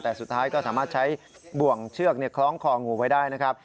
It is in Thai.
แต่สุดท้ายก็สามารถใช้บ่วงเชือกคล้องคองูไว้ได้นะครับ